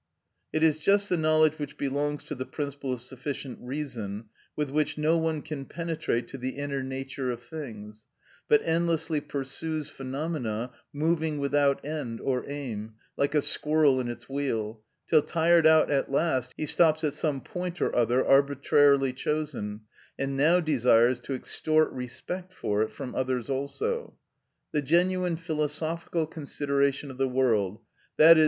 It is just the knowledge which belongs to the principle of sufficient reason, with which no one can penetrate to the inner nature of things, but endlessly pursues phenomena, moving without end or aim, like a squirrel in its wheel, till, tired out at last, he stops at some point or other arbitrarily chosen, and now desires to extort respect for it from others also. The genuine philosophical consideration of the world, _i.e.